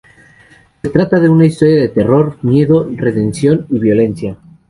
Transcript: Se trata de una historia de terror, miedo, redención y violencia.